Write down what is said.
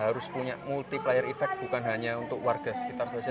harus punya multiplier effect bukan hanya untuk warga sekitar saja